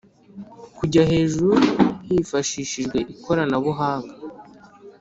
kujyana hejuru hifashishijwe ikoranabuhanga